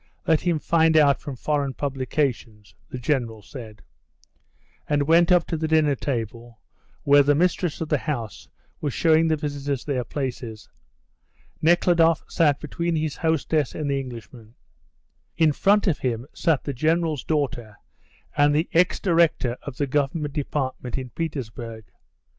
Let him find out from foreign publications," the General said, and went up to the dinner table, where the mistress of the house was showing the visitors their places. Nekhludoff sat between his hostess and the Englishman. In front of him sat the General's daughter and the ex director of the Government department in Petersburg.